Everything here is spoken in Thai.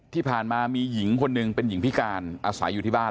ที่ผ่านมามีหญิงคนหนึ่งเป็นหญิงพิการอาศัยอยู่ที่บ้าน